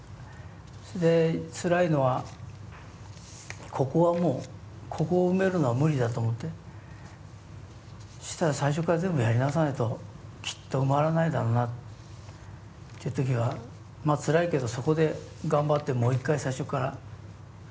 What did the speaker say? でつらいのはここはもうここを埋めるのは無理だと思ってそしたら最初から全部やり直さないときっと埋まらないだろうなっていう時がまあつらいけどそこで頑張ってもう一回最初から。